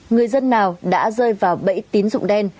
người dân nào đã rơi vào bẫy tín dụng đen